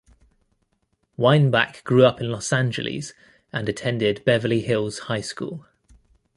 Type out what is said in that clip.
Weinbach grew up in Los Angeles and attended Beverly Hills High School.